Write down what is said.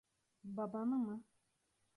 Babanı mı?